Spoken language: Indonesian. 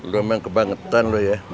lu emang kebangetan lo ya